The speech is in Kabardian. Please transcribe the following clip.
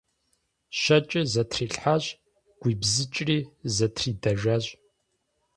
Щэкӏыр зэтрилъхьэщ, гуибзыкӏри зэтридэжащ.